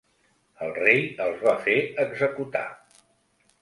El rei els va fer executar.